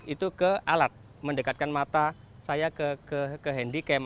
itu ke alat mendekatkan mata saya ke handycam